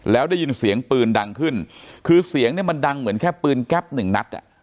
แล้วได้ยินเสียงปืนดังขึ้นคือเสียงเนี่ยมันดังเหมือนแค่ปืนแก๊ปหนึ่งนัดอ่ะ